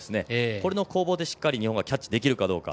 これの攻防で日本がキャッチできるかどうか。